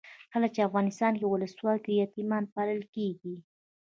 کله چې افغانستان کې ولسواکي وي یتیمان پالل کیږي.